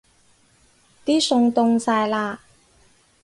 啲餸凍晒喇